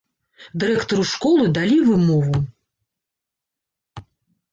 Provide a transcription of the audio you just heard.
Дырэктару школы далі вымову.